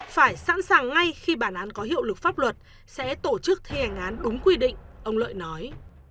phải sẵn sàng ngay khi bản án có hiệu lực pháp luật sẽ tổ chức thi hành án đúng quy định ông lợi nói